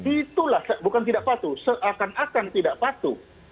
itulah bukan tidak patuh seakan akan tidak patuh